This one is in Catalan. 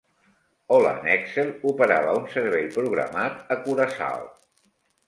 HollandExel operava un servei programat a Curaçao.